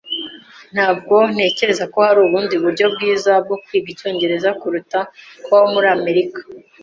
Ntabwo ntekereza ko hari ubundi buryo bwiza bwo kwiga icyongereza kuruta kubaho muri Amerika.